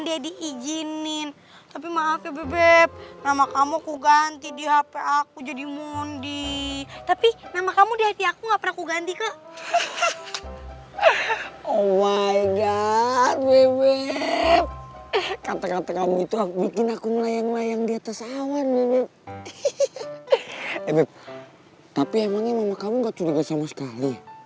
eh beb tapi emangnya mama kamu gak curiga sama sekali